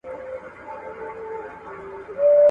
• په يوه څاپېړه د سلو مخ خوږېږي.